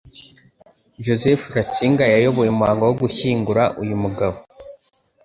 Joseph Ratzinger yayoboye umuhango wo gushyingura uyu mugabo